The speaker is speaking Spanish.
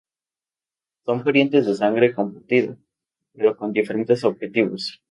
Son parientes de sangre compartida, pero con diferentes objetivos.